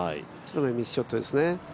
ミスショットですね。